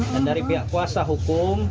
dan dari pihak kuasa hukum